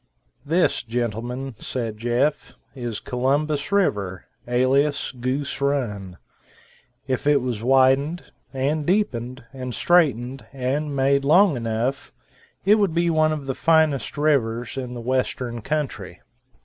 "This, gentlemen," said Jeff, "is Columbus River, alias Goose Run. If it was widened, and deepened, and straightened, and made, long enough, it would be one of the finest rivers in the western country."